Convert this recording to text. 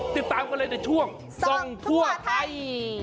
ติดตามกันเลยในช่วงส่องทั่วไทย